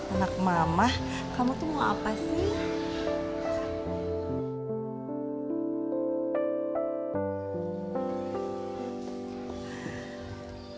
anak mama kamu tuh mau apa sih